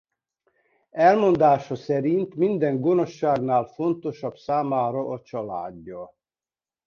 Elmondása szerint minden gonoszságnál fontosabb számára a családja.